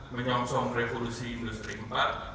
menyongsong revolusi industri empat